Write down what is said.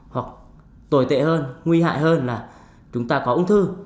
hoặc tồi tệ hơn nguy hại hơn là chúng ta có ung thư